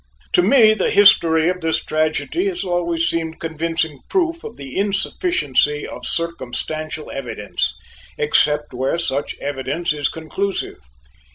To me the history of this tragedy has always seemed convincing proof of the insufficiency of circumstantial evidence, except where such evidence is conclusive.